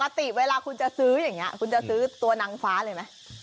ปกติเวลาคุณจะซื้ออย่างนี้คุณจะซื้อตัวนางฟ้าเลยไหม